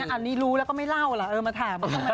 อันนี้รู้แล้วไม่เล่าละมาแทบ